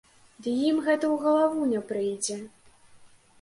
Ды ім гэта ў галаву не прыйдзе!